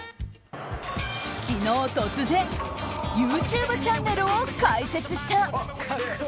昨日、突然ＹｏｕＴｕｂｅチャンネルを開設した。